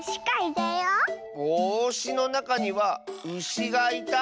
「ぼうし」のなかには「うし」がいた。